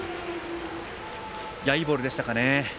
いいボールでしたかね。